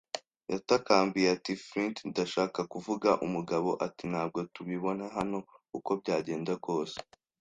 Yatakambiye ati: “Flint, ndashaka kuvuga.” Umugabo ati: "Ntabwo tubibona hano uko byagenda kose."